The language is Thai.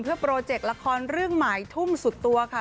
เพื่อโปรเจกต์ละครเรื่องหมายทุ่มสุดตัวค่ะ